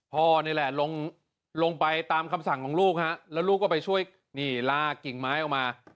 พ่อนี่แหละลงไปตามคำสั่งของลูกฮะแล้วลูกก็ไปช่วยนี่ลากกิ่งไม้ออกมา